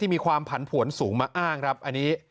มีความผันผวนสูงมาอ้างครับอันนี้